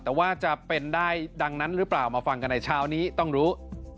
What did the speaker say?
แต่ว่าจะเป็นได้ดังนั้นหรือเปล่ามาฟังกันในเช้านี้ต้องรู้